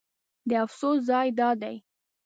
د افسوس ځای دا دی.